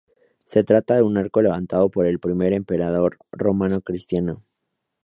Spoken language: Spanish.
Se trata de un arco levantado por el primer emperador romano cristiano.